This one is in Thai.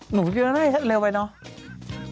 หนูคิดแล้วนะเร็วไปเนาะ